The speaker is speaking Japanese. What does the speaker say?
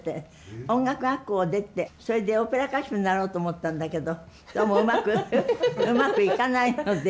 音楽学校を出てそれでオペラ歌手になろうと思ったんだけどどうもうまくうまくいかないので。